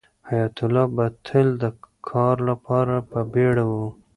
حیات الله به تل د کار لپاره په بیړه و.